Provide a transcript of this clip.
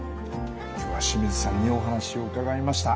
今日は清水さんにお話を伺いました。